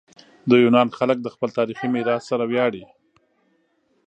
د یونان خلک د خپل تاریخي میراث سره ویاړي.